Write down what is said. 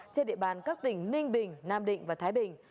trên địa bàn các tỉnh ninh bình nam định và thái bình